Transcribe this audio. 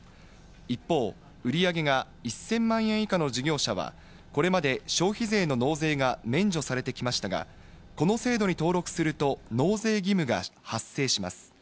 一方、売り上げが１０００万円以下の事業者は、これまで消費税の納税が免除されてきましたが、この制度に登録すると納税義務が発生します。